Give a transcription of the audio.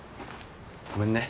ごめんね。